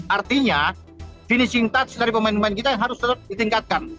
artinya finishing touch dari pemain pemain kita harus tetap ditingkatkan